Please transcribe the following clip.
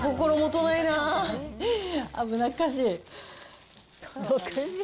危なっかしい。